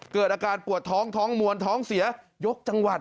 เกิดอาการปวดท้องท้องมวลท้องเสียยกจังหวัด